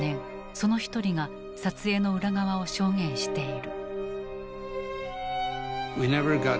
その一人が撮影の裏側を証言している。